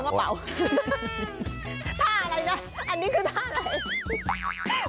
ท่าอะไรนะอันนี้คือท่าอะไร